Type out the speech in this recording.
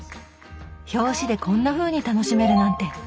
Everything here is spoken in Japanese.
表紙でこんなふうに楽しめるなんて！